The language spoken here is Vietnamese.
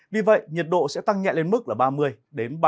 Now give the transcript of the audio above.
vì vậy nhiệt độ sẽ tăng nhẹ lên mức là ba mươi ba mươi ba độ